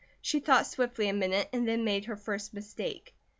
She thought swiftly a minute, and then made her first mistake.